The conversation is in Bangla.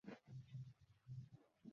বিনয়বাবু রাজি হবেন না!